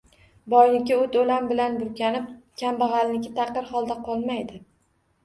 Boyniki o‘t-o‘lan bilan burkanib, kambag‘alniki taqir holda qolmaydi.